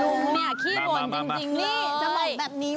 ลุงเนี่ยขี้หม่อนจริงจะบอกแบบนี้ว่า